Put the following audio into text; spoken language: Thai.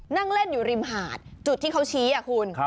นั่งเล่นอยู่ริมหาดจุดที่เขาชี้คุณ